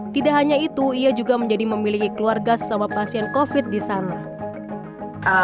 tidak hanya itu ia juga menjadi memiliki keluarga sesama pasien covid di sana